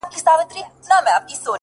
نن دې تصوير زما پر ژړا باندې راوښويدی _